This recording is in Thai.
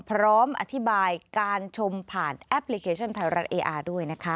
พร้อมอธิบายการชมผ่านแอปพลิเคชันไทยรัฐเออาร์ด้วยนะคะ